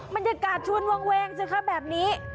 มันยกาศชวนแวงเชื่อค่ะแบบนี้